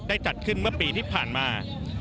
จัดขึ้นเมื่อปีที่ผ่านมา